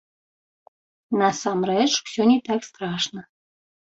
Насамрэч, усё не так страшна.